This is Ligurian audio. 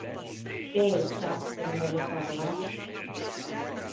Pensa primma de parlâ.